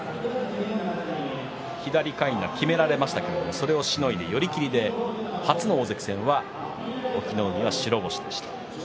右のかいなをきめられましたが、寄り切りで初の大関戦は隠岐の海は白星でした。